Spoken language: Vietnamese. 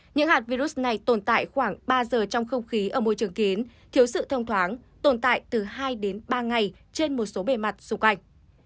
những hạt virus này tồn tại khoảng ba giờ trong không khí ở môi trường kín thiếu sự thông thoáng tồn tại từ hai đến ba ngày trên một số bề mặt xung quanh